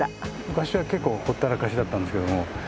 昔は結構ほったらかしだったんですけども。